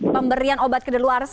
pemberian obat ke deluar